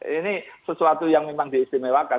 ini sesuatu yang memang diistimewakan